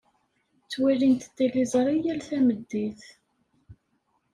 Ttwalint tiliẓri yal tameddit.